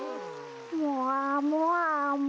もわもわも。